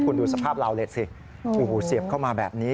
คุณดูสภาพลาวเหล็กสิโอ้โหเสียบเข้ามาแบบนี้